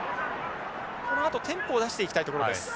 このあとテンポを出していきたいところです。